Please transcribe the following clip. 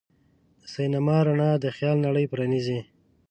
د سینما رڼا د خیال نړۍ پرانیزي.